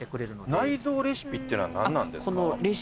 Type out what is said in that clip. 内蔵レシピっていうのは何なんですか？